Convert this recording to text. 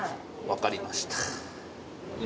分かりました。